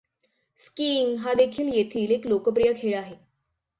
Skiing हा देखील येथील एक लोकप्रिय खेळ आहे.